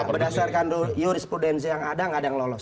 berdasarkan jurisprudensi yang ada nggak ada yang lolos